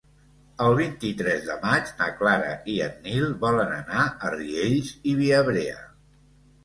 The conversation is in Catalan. El vint-i-tres de maig na Clara i en Nil volen anar a Riells i Viabrea.